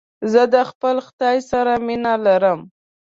زه د خپل خداى سره مينه لرم.